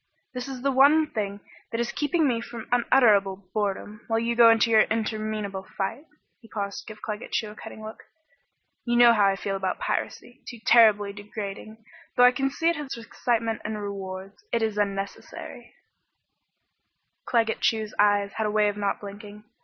"This is the one thing that is keeping me from unutterable boredom, while you go into your interminable fight." He paused to give Claggett Chew a cutting look. "You know how I feel about piracy too terribly degrading, though I can see it has its excitement and rewards. But it is unnecessary " Claggett Chew's eyes had a way of not blinking.